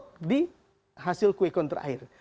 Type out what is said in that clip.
akhirnya dia rontok di hasil kue kontra air